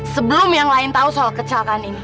sebelum yang lain tahu soal kecelakaan ini